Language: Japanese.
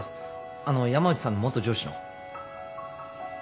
あの山内さんの元上司の。